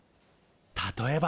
例えば。